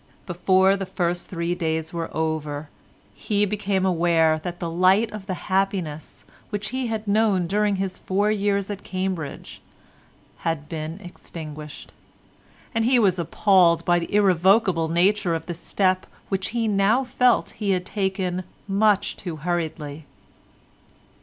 Before the first three days were over, he became aware that the light of the happiness which he had known during his four years at Cambridge had been extinguished, and he was appalled by the irrevocable nature of the step which he now felt that he had taken much too hurriedly.